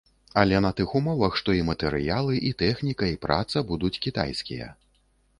Але на тых умовах, што і матэрыялы, і тэхніка, і праца будуць кітайскія.